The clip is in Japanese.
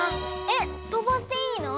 えっとばしていいの？